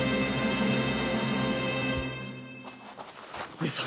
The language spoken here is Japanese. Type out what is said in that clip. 上様